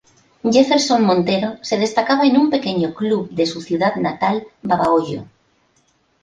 Jefferson Montero se destacaba en un pequeño club de su ciudad natal, Babahoyo.